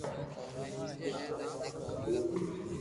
مني مارو متي ني